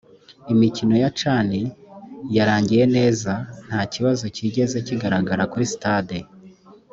imikino ya chan yarangiye neza nta kibazo kigeze kigaragara kuri stade